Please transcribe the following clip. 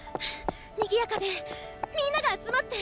にぎやかでみんなが集まって。